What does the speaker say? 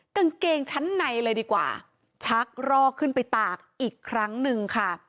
กางเกงชั้นในเลยดีกว่าชักรอกขึ้นไปตากอีกครั้งหนึ่งค่ะ